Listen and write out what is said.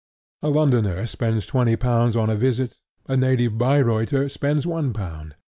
A Londoner spends twenty pounds on a visit: a native Bayreuther spends one pound.